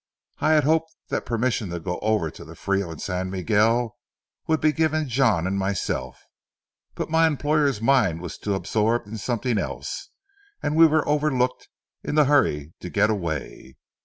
I had hoped that permission to go over to the Frio and San Miguel would be given John and myself, but my employer's mind was too absorbed in something else, and we were overlooked in the hurry to get away.